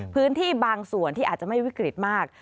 พื้นที่บางส่วนที่อาจจะไม่วิกฤตมาก